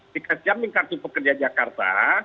di samping kartu pekerja jakarta